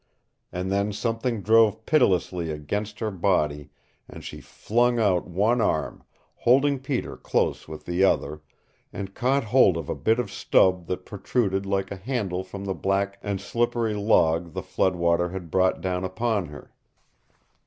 And then something drove pitilessly against her body, and she flung out one arm, holding Peter close with the other and caught hold of a bit of stub that protruded like a handle from the black and slippery log the flood water had brought down upon her.